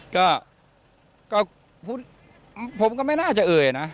ก็ผมก็ไม่น่าจะเอ่ยนะ